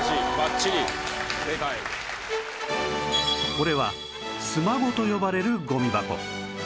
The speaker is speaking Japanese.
これは「ＳｍａＧＯ」と呼ばれるゴミ箱